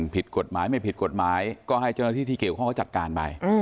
ผิดกฎหมายไม่ผิดกฎหมายก็ให้เจ้าหน้าที่ที่เกี่ยวข้องเขาจัดการไป